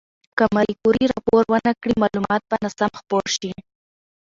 که ماري کوري راپور ونکړي، معلومات به ناسم خپور شي.